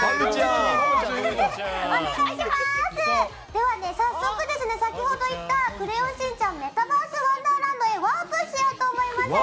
では早速、先ほど行った「クレヨンしんちゃん」メタバースワンダーランドへワープしようと思います。